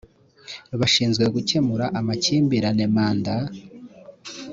bashinzwe gukemura makimbirane manda